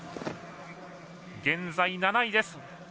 現在７位です。